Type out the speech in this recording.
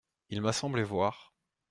Il m’a semblé voir…